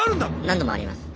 何度もあります。